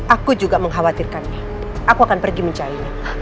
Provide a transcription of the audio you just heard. aku juga mengkhawatirkannya aku akan pergi mencarinya